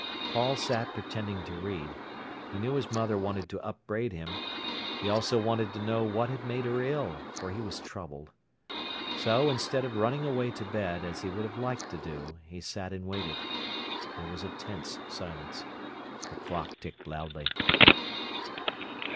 Paul sat pretending to read. He knew his mother wanted to upbraid him. He also wanted to know what had made her ill, for he was troubled. So, instead of running away to bed, as he would have liked to do, he sat and waited. There was a tense silence. The clock ticked loudly.